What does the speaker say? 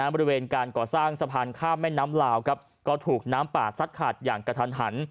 บริเวณการก่อสร้างสะพานข้ามแม่น้ำลาวก็ถูกน้ำป่าซัดขาดอย่างกระทันหัน